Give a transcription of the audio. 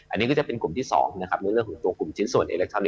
อันนี้ก็จะเป็นกลุ่มที่๒นะครับในเรื่องของตัว